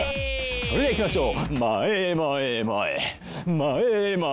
それでは行きましょう。